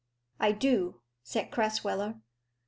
"I do," said Crasweller.